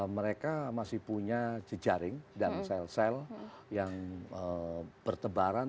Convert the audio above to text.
mereka masih punya jejaring dan sel sel yang bertebaran